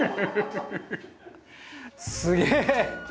すげえ。